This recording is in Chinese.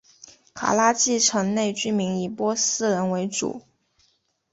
卡拉季城内居民以波斯人为主。